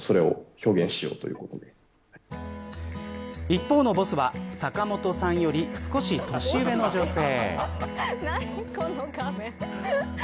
一方のボスは坂本さんより少し年上の女性。